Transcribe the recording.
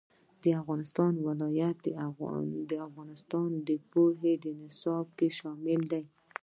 د افغانستان ولايتونه د افغانستان د پوهنې نصاب کې شامل دي.